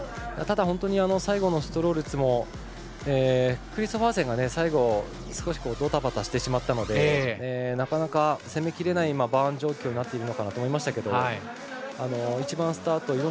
ただ本当に最後のシュトロルツもクリストファーセンが最後少しどたばたしてしまったのでなかなか攻めきれないバーン状況になっているかなと思いましたが１番スタート